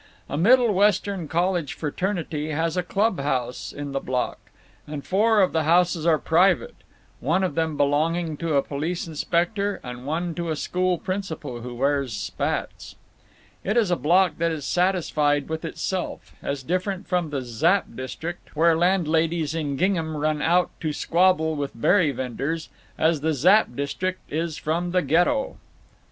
A Middle Western college fraternity has a club house in the block, and four of the houses are private—one of them belonging to a police inspector and one to a school principal who wears spats. It is a block that is satisfied with itself; as different from the Zapp district, where landladies in gingham run out to squabble with berry venders, as the Zapp district is from the Ghetto. Mrs.